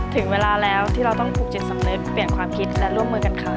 ถึงเวลาแล้วที่เราต้องผูกจิตสำนึกเปลี่ยนความคิดและร่วมมือกันเขา